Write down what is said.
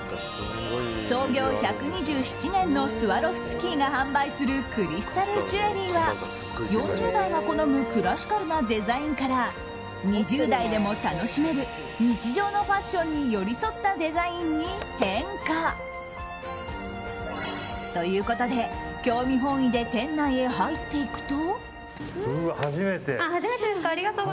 創業１２７年のスワロフスキーが販売するクリスタルジュエリーは４０代が好むクラシカルなデザインから２０代でも楽しめる日常のファッションに寄り添ったデザインに変化。ということで興味本位で店内へ入っていくと。